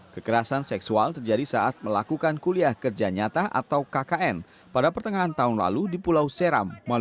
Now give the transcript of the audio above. kekerasan seksual terjadi saat melakukan kuliah kerja nyata atau kkn pada pertengahan tahun lalu di pulau seram